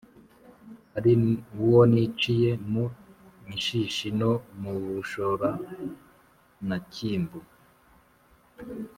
hari uwo niciye mu ishishi no mu bushora na cyimbu